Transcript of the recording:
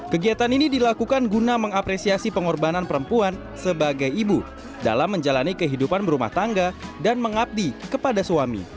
kegiatan ini dilakukan guna mengapresiasi pengorbanan perempuan sebagai ibu dalam menjalani kehidupan berumah tangga dan mengabdi kepada suami